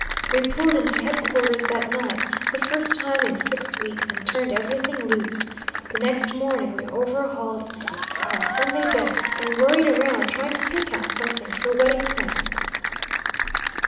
We pulled into headquarters that night, the first time in six weeks, and turned everything loose. The next morning we overhauled our Sunday bests, and worried around trying to pick out something for a wedding present.